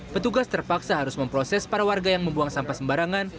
petugas terpaksa harus memproses para warga yang membuang sampah sembarangan